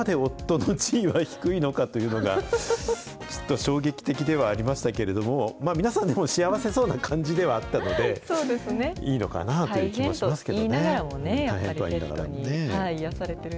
結構そこまで夫の地位は低いのかというのが、ちょっと衝撃的ではありましたけれども、皆さん、でも幸せそうな感じではあったのでいいのかなという気もしますけどね。